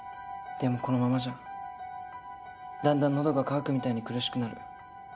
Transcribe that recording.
でもこのままじゃだんだん喉が渇くみたいに苦しくなる。